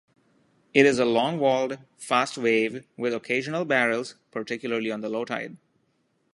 It is a long-walled, fast wave with occasional barrels, particularly on the low tide.